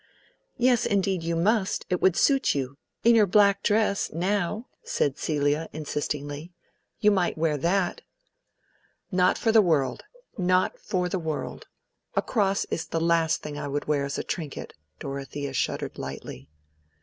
"Yes, indeed you must; it would suit you—in your black dress, now," said Celia, insistingly. "You might wear that." "Not for the world, not for the world. A cross is the last thing I would wear as a trinket." Dorothea shuddered slightly.